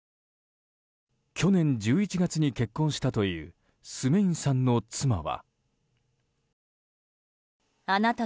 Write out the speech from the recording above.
去年１１月に結婚したというスメインさんの妻は。